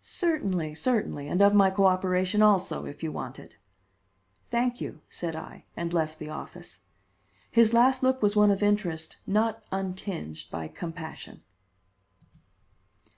"Certainly, certainly, and of my cooperation also, if you want it." "Thank you," said I, and left the office. His last look was one of interest not untinged by compassion.